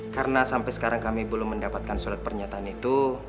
karena sampai sekarang kami belum mendapatkan surat pernyataan itu